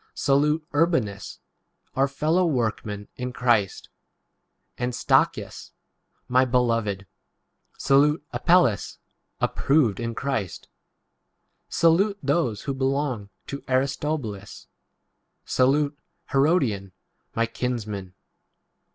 Salute Urbanus, our fellow workman in Christ, and Stachys, my beloved. 10 Salute Apelles, approved in Christ. Salute those who belong to Aris 11 tobulus. Salute Herodion, my kinsman.